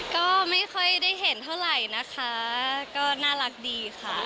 ก็ไม่ค่อยได้เห็นเท่าไหร่นะคะก็น่ารักดีค่ะ